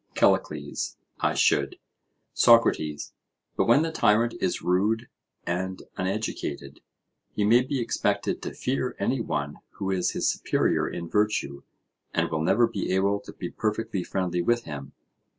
CALLICLES: I should. SOCRATES: But when the tyrant is rude and uneducated, he may be expected to fear any one who is his superior in virtue, and will never be able to be perfectly friendly with him.